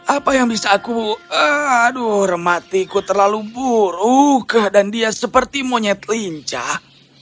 apa yang bisa aku aduh rematiku terlalu buruh dan dia seperti monyet lincah